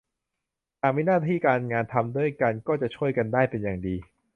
หากมีหน้าที่การงานทำด้วยกันก็จะช่วยกันได้เป็นอย่างดี